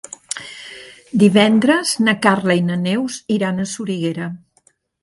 Divendres na Carla i na Neus iran a Soriguera.